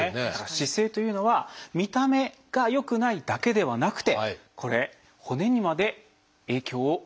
姿勢というのは見た目が良くないだけではなくてこれ骨にまで影響を及ぼしているんです。